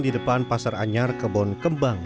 di depan pasar anyar kebon kembang